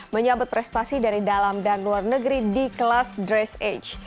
menyambut prestasi dari dalam dan luar negeri di kelas dress age